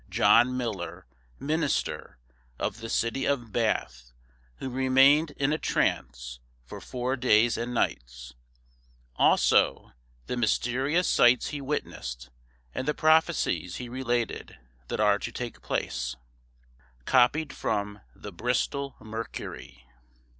JOHN MILLER, MINISTER, OF THE CITY OF BATH, WHO REMAINED IN A TRANCE For Four Days and Nights, Also the Mysterious Sights he witnessed, and the Prophecies he related that are to take place. COPIED FROM THE "BRISTOL MERCURY."